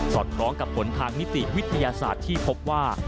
อดคล้องกับผลทางนิติวิทยาศาสตร์ที่พบว่า